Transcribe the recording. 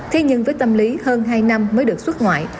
thế nhưng với tâm lý hơn hai năm mới được xuất ngoại